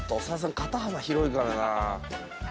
肩幅広いからな。